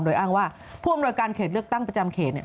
โดยอ้างว่าผู้อำนวยการเขตเลือกตั้งประจำเขตเนี่ย